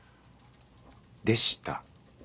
「でした」？